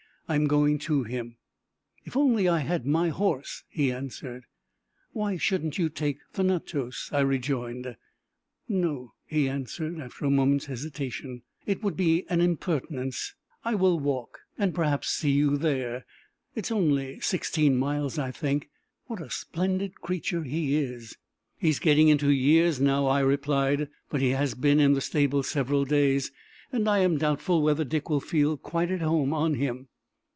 I am going to him." "If only I had my horse!" he answered. "Why shouldn't you take Thanatos?" I rejoined. "No," he answered, after a moment's hesitation. "It would be an impertinence. I will walk, and perhaps see you there. It's only sixteen miles, I think. What a splendid creature he is!" "He's getting into years now," I replied; "but he has been in the stable several days, and I am doubtful whether Dick will feel quite at home on him."